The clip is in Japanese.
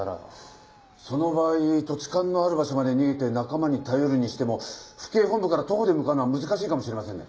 その場合土地勘のある場所まで逃げて仲間に頼るにしても府警本部から徒歩で向かうのは難しいかもしれませんね。